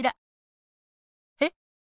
えっ！